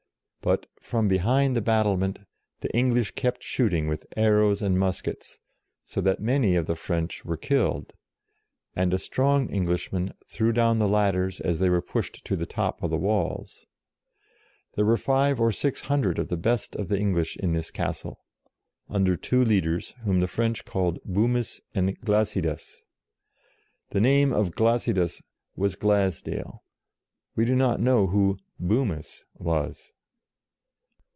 " But from behind the battlement, the English kept shooting with arrows and muskets, so that many of the French were killed, and a strong Englishman threw down the ladders as they were pushed to the top of the walls. There were five or six hundred of the best of the English in this castle, under two leaders whom the French call " Bumus " and " Glasidas." The name of " Glasidas " was Glasdale ; we do not know who "Bumus" was!